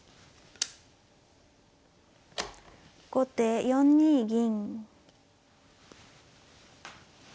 後手４二銀。